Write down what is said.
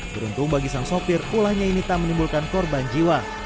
beruntung bagi sang sopir ulahnya ini tak menimbulkan korban jiwa